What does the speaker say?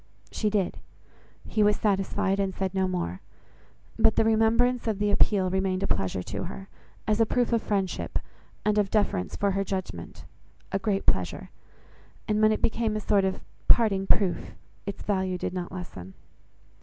She did: he was satisfied, and said no more. But the remembrance of the appeal remained a pleasure to her, as a proof of friendship, and of deference for her judgement, a great pleasure; and when it became a sort of parting proof, its value did not lessen.